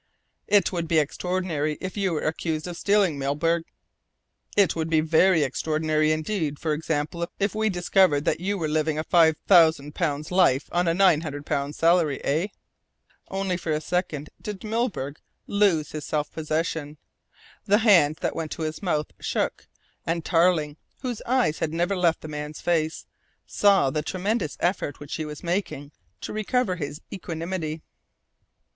"It would be extraordinary if you were accused of stealing, Milburgh. It would be very extraordinary indeed, for example, if we discovered that you were living a five thousand pounds life on a nine hundred pounds salary, eh?" Only for a second did Milburgh lose his self possession. The hand that went to his mouth shook, and Tarling, whose eyes had never left the man's face, saw the tremendous effort which he was making to recover his equanimity.